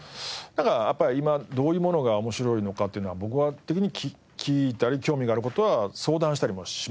やっぱ今どういうものが面白いのかっていうのは僕は時に聞いたり興味がある事は相談したりもしますね。